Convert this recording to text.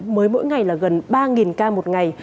mới mỗi ngày là gần ba ca một ngày